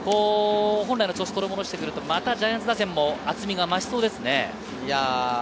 本来の調子を取り戻してくるとまたジャイアンツ打線も厚みが増しそうですね。